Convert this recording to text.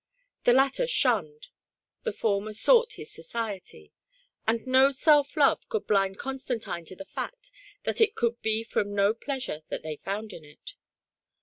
The latter shunned, the former sought his society ; and no self love could blind Constantino to the fact that it could be from no pleasure that they found in it.